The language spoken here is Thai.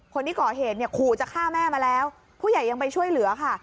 คนที่ก่อเหตุเนี่ยขู่จะฆ่าแม่มาแล้วผู้ใหญ่ยังไปช่วยเหลือค่ะ